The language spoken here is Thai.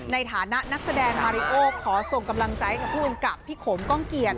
ในฐานะนักแสดงมาริโอขอส่งกำลังใจให้กับผู้กำกับพี่โขมก้องเกียจ